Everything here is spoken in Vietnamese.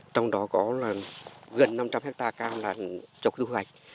trong đó có gần năm trăm linh hectare cam là cho thu hoạch